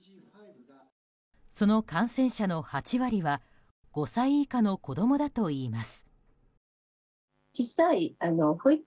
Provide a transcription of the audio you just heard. その感染者の８割は５歳以下の子供だといいます。